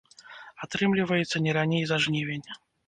Атрымліваецца, не раней за жнівень.